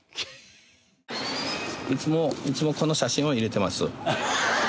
いつもこの写真を入れてます。